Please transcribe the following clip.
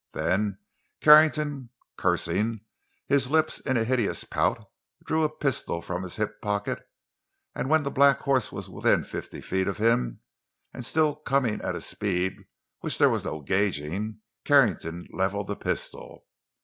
Then Carrington, cursing, his lips in a hideous pout, drew a pistol from a hip pocket. And when the black horse was within fifty feet of him, and still coming at a speed which there was no gauging, Carrington leveled the pistol.